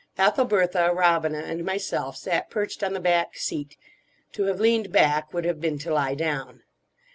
Ethelbertha, Robina, and myself sat perched on the back seat; to have leaned back would have been to lie down.